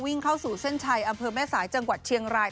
เข้าสู่เส้นชัยอำเภอแม่สายจังหวัดเชียงราย